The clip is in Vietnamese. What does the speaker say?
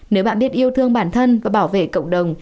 nếu bạn biết yêu thương bản thân và bảo vệ cộng đồng